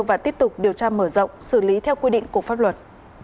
và tiếp tục điều tra mở rộng xử lý theo quy định của pháp luật